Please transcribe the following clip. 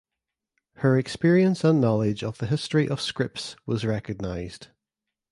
Her experience and knowledge of the history of Scripps was recognized.